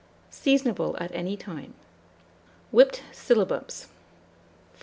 Seasonable at any time. WHIPPED SYLLABUBS. 1493.